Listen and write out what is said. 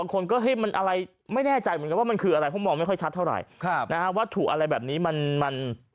คนก็ให้มันอะไรไม่แน่ใจว่ามันคืออะไรค่อยเฉินภาษาไหลนะว่าถูกอะไรแบบนี้มัน